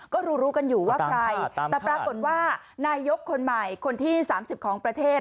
ก็รู้รู้กันอยู่ว่าใครแต่ปรากฏว่านายกคนใหม่คนที่๓๐ของประเทศ